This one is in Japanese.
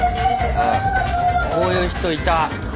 こういう人いた！